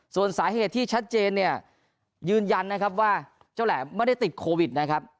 ส่วนสาเหตุที่ชัดเจนเนี่ยยืนยันนะครับว่าเจ้าแหลมไม่ได้ติดโควิดนะครับ